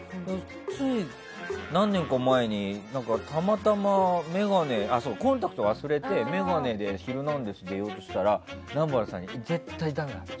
つい何年か前にたまたまコンタクトを忘れて眼鏡で「ヒルナンデス！」に出ようとしたら南原さんに絶対だめだと。